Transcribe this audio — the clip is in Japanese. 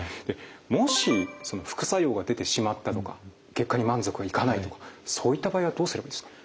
もし副作用が出てしまったとか結果に満足がいかないとかそういった場合はどうすればいいですか？